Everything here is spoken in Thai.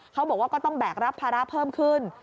เขาบอกว่าก็ต้องแบกรับภาระเพิ่มขึ้น